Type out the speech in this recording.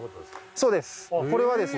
そうです。